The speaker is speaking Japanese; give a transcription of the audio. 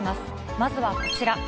まずはこちら。